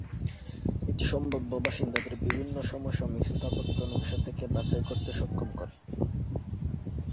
এটি সম্ভাব্য বাসিন্দাদের বিভিন্ন সমসাময়িক স্থাপত্য নকশা থেকে বাছাই করতে সক্ষম করে।